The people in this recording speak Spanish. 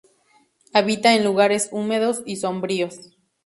Habita en lugares húmedos y sombríos.